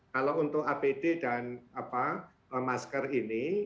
kalau untuk apd dan masker ini